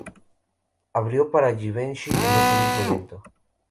Abrió para Givenchy en ese mismo evento.